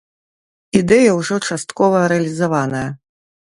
Ідэя ўжо часткова рэалізаваная.